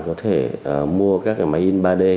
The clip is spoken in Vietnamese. có thể mua các máy in ba d